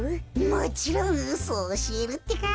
もちろんうそおしえるってか。